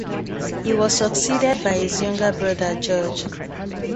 He was succeeded by his younger brother George.